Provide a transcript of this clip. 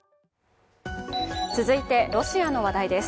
続いて、ロシアの話題です。